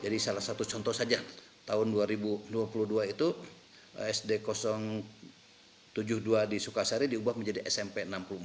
jadi salah satu contoh saja tahun dua ribu dua puluh dua itu sd tujuh puluh dua di sukasari diubah menjadi smp enam puluh empat